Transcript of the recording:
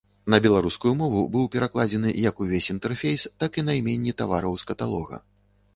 На беларускую мову быў перакладзены як увесь інтэрфейс, так і найменні тавараў з каталога.